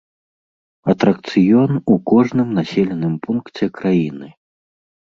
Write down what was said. Атракцыён у кожным населеным пункце краіны.